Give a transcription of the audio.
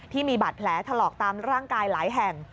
ที่มีบาดแผลถลอกตามร่างกายหลายแห่ง